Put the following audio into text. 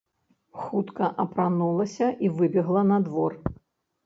Хутка апранулася і выбегла на двор.